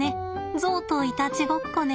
ゾウといたちごっこね。